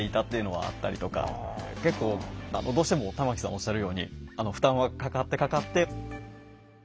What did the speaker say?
結構どうしても玉木さんおっしゃるように負担はかかってかかって。